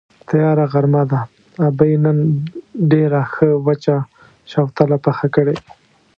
تیاره غرمه ده، ابۍ نن ډېره ښه وچه شوتله پخه کړې.